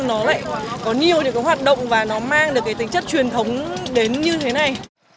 nó lại có nhiều những cái hoạt động và nó mang được cái tính chất truyền thống đến như thế này